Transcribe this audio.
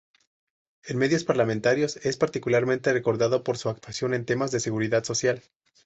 En medios parlamentarios es particularmente recordado por su actuación en temas de seguridad social.